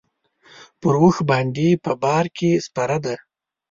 پر اوښ باندې په بار کې سپره ده.